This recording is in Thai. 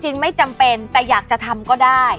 ไม่จำเป็นแต่อยากจะทำก็ได้